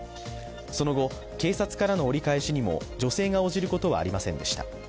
その後、警察からの折り返しにも女性が応じることはありませんでした。